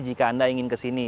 jika anda ingin mencari gunung